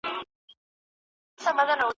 د ښه حکومتولۍ رامنځته کول اړین دي.